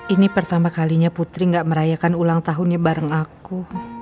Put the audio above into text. ini pertama kalinya putri gak merayakan ulang tahunnya bareng aku